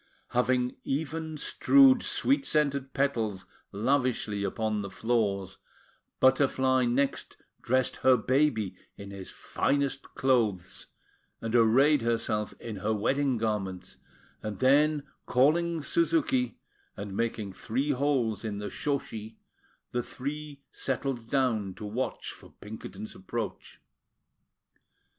Having even strewed sweet scented petals lavishly upon the floors, Butterfly next dressed her baby in his finest clothes, and arrayed herself in her wedding garments; and then, calling Suzuki, and making three holes in the shoshi, the three settled down to watch for Pinkerton's approach.